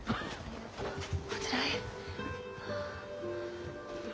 こちらへ。